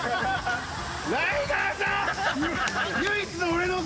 ライガーさん！